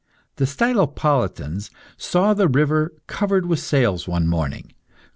The Stylopolitans saw the river covered with sails one morning.